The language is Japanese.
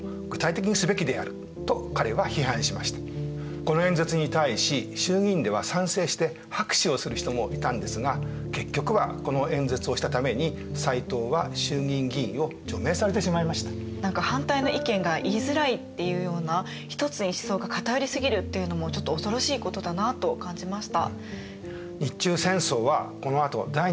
この演説に対し衆議院では賛成して拍手をする人もいたんですが結局は何か反対の意見が言いづらいっていうような１つに思想が偏り過ぎるっていうのもちょっと恐ろしいことだなと感じました。